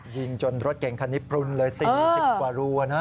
ยิงจนรถเก่งคันนี้พลุนเลย๔๐กว่ารูนะ